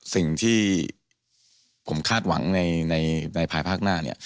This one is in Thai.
สิ่งที่ผมคาดหวังในภายภาคหน้าเนี่ย